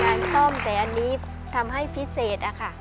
ทำให้การซ่อมใส่อันนี้ทำให้พิเศษอ่ะค่ะ